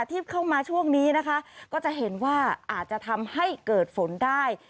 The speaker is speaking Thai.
ที่เข้ามาช่วงนี้นะคะก็จะเห็นว่าอาจจะทำให้เกิดฝนได้